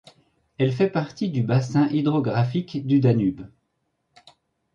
Elle fait partie du bassin hydrographique du Danube.